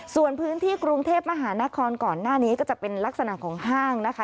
ส่วนพื้นที่กรุงเทพมหานครก่อนหน้านี้ก็จะเป็นลักษณะของห้างนะคะ